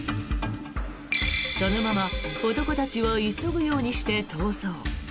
そのまま男たちは急ぐようにして逃走。